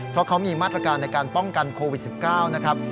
เพราะเขามีมาตรการในการป้องกันโควิด๑๙นะครับ